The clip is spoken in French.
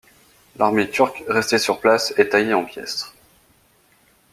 L'armée turque restée sur place est taillée en pièces.